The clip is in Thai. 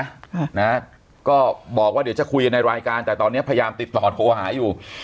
ค่ะนะฮะก็บอกว่าเดี๋ยวจะคุยกันในรายการแต่ตอนเนี้ยพยายามติดต่อโทรหาอยู่